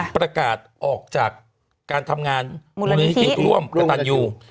ประกาศออกจากการทำงานมูลนิธิร่วมกระตันยู